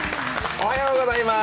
おはようございます。